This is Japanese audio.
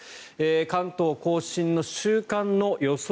関東・甲信の週間の予想